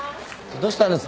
どうしたんです？